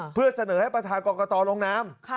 เพื่อเสนอให้ประธานกรกฎรงค์น้ำ